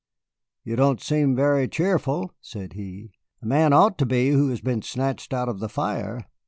"You don't seem very cheerful," said he; "a man ought to be who has been snatched out of the fire."